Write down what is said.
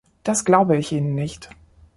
Das glaube ich Ihnen nicht.